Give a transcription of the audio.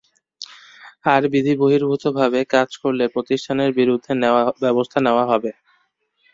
আর বিধিবহির্ভূতভাবে কাজ করলে প্রতিষ্ঠানের বিরুদ্ধে ব্যবস্থা নেওয়া যাবে।